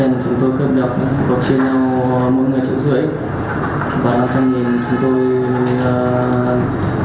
tiền chúng tôi cướp được có chia nhau mỗi người chịu dưới và năm trăm linh nghìn chúng tôi dùng hành trình với nhau